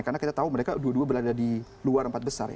karena kita tahu mereka berdua berada di luar empat besar ya